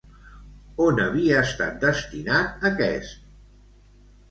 On havia estat destinat, aquest?